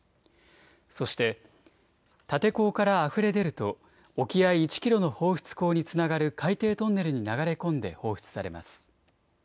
そして、立て坑からあふれ出ると沖合１キロの放出口につながる海底トンネルに流れ込んで放出されます。